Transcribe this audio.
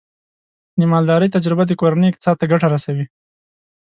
د مالدارۍ تجربه د کورنۍ اقتصاد ته ګټه رسوي.